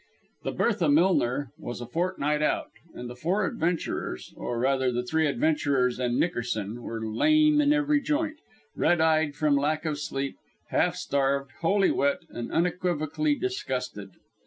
The Bertha Millner was a fortnight out, and the four adventurers or, rather, the three adventurers and Nickerson were lame in every joint, red eyed from lack of sleep, half starved, wholly wet and unequivocally disgusted.